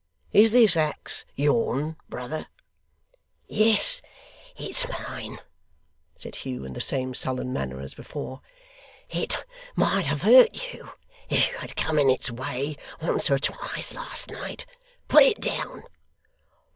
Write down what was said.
Is this axe your'n, brother?' 'Yes, it's mine,' said Hugh, in the same sullen manner as before; 'it might have hurt you, if you had come in its way once or twice last night. Put it down.